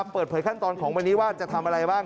เปิดเผยขั้นตอนของวันนี้ว่าจะทำอะไรบ้าง